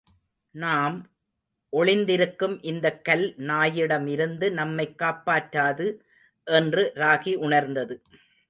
நாம் ஒளிந்திருக்கும் இந்தக் கல் நாயிடமிருந்து நம்மைக் காப்பாற்றாது என்று ராகி உணர்ந்தது.